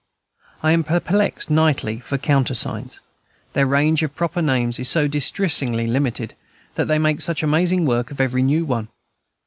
I am perplexed nightly for countersigns, their range of proper names is so distressingly limited, and they make such amazing work of every new one.